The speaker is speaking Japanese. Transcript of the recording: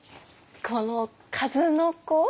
この「数の子」？